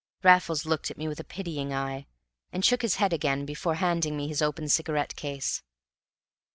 Raffles looked at me with a pitying eye, and shook his head again before handing me his open cigarette case.